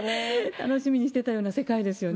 楽しみにしてたような世界ですよね。